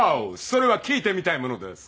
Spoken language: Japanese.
それは聴いてみたいものです。